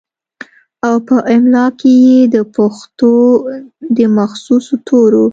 او پۀ املا کښې ئې دَپښتو دَمخصوصو تورو